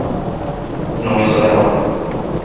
Non é só de agora.